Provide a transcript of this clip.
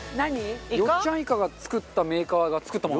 よっちゃんイカを作ったメーカーが作ったもの。